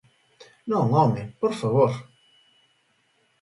Non, ¡home!, ¡por favor!